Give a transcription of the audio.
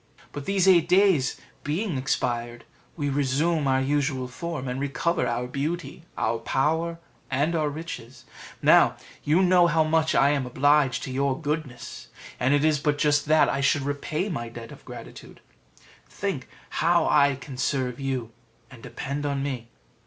But these eight days being expired, we resume our usual form, and recover our beauty, our power, and our riches. Now you know how much I am obliged to your goodness, and it is but just that I should repay my debt of gratitude: think how I can serve you and depend on me."